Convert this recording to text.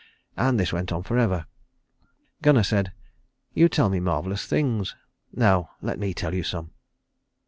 And this went on for ever. Gunnar said, "You tell me marvellous things. Now let me tell you some."